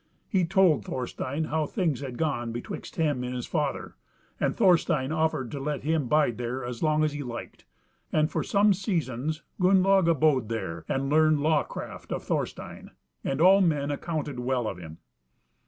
He told Thorstein how things had gone betwixt him and his father, and Thorstein offered to let him bide there as long as he liked, and for some seasons Gunnlaug abode there, and learned law craft of Thorstein, and all men accounted well of him.